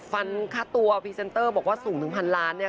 ฟันค่าตัวพรีเซนเตอร์บอกว่าสูงถึงพันล้าน